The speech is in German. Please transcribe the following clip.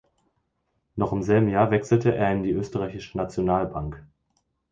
Noch im selben Jahr wechselte er in die Oesterreichische Nationalbank.